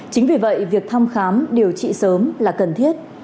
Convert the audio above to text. chính vì vậy việc thăm khám điều trị sớm là cần thiết